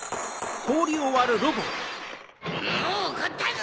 ・もうおこったぞ！